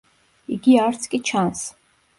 იგი არც კი ჩანს.